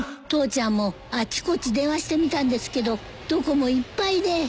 父ちゃんもあっちこっち電話してみたんですけどどこもいっぱいで。